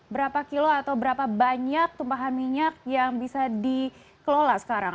berapa kilo atau berapa banyak tumpahan minyak yang bisa dikelola sekarang